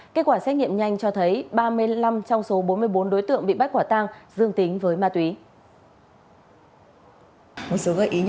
kết quả xét nghiệm nhanh cho thấy ba mươi năm trong số bốn mươi bốn đối tượng bị bắt quả tang dương tính với ma túy